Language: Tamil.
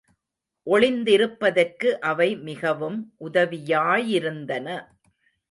ஒளிந்திருப்பதற்கு அவை மிகவும் உதவியாயிருந்தன.